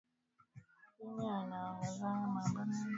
Kimya inaongozaka mambo mingi